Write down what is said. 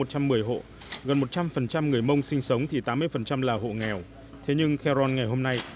hộ gần một trăm linh người mông sinh sống thì tám mươi là hộ nghèo thế nhưng khe ron ngày hôm nay